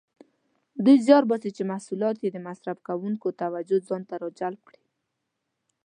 دوی زیار باسي چې محصولات یې د مصرف کوونکو توجه ځانته راجلب کړي.